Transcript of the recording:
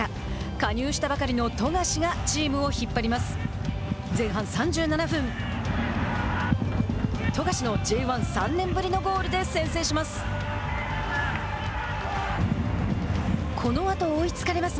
加入したばかりの富樫がチームを引っ張ります。